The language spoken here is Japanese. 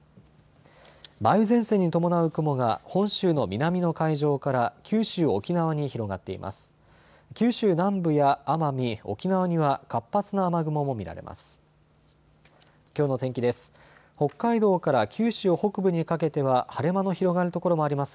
梅雨前線に伴う雲が本州の南の海上から九州、沖縄に広がっています。